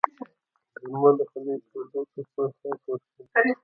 غرمه د خولې تودو څپو احساس ورکوي